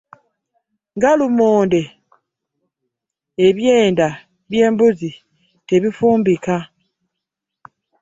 Nga lumondde ebyenda byembuzi ,tebifumbika.